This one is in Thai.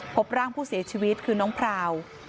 พบร่างผู้เสียชีวิตคือน้องพราว